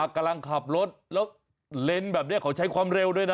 กำลังขับรถแล้วเลนส์แบบนี้เขาใช้ความเร็วด้วยนะ